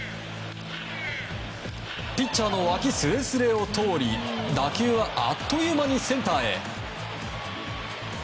ピッチャーの脇すれすれを通り打球は、あっという間にセンターへ。